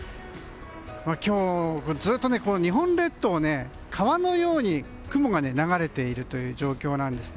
今日ずっと日本列島を川のように雲が流れているという状況なんです。